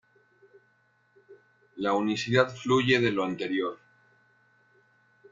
La unicidad fluye de lo anterior.